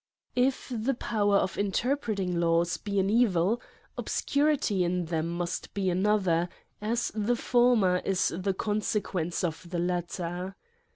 IF the power of interpreting law^s be an evil, obscurity in them must be another, as the former is the consequence of the latter.